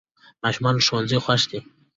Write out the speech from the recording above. ماشومان له ښوونځي خوښ دي.